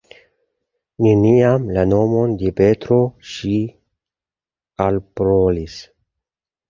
Neniam la nomon de Petro ŝi elparolis.